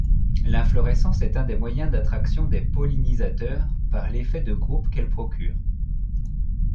L'inflorescence est un des moyens d'attraction des pollinisateurs par l'effet de groupe qu'elle procure.